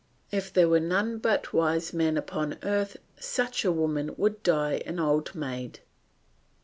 If there were none but wise men upon earth such a woman would die an old maid.